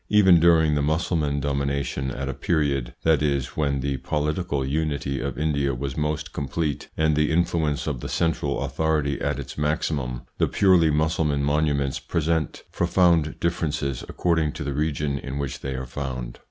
Even during the Mussulman domination, at a period, that is, when the political unity of India was most complete, and the influence of the central authority at its maximum, the purely Mussulman monuments present profound differences according to the region in which they are found.